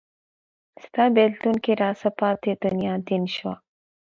ستا بیلتون کې راڅه پاته دنیا دین شو